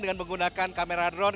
dengan menggunakan kamera drone